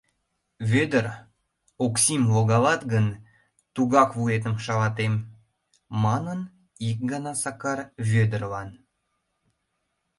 — Вӧдыр, Оксим логалат гын, тугак вуетым шалатем, — манын ик гана Сакар Вӧдырлан.